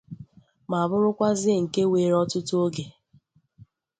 ma bụrụkwazie nke were ọtụtụ ogè.